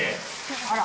あら。